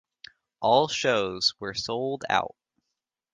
All shows were sold out.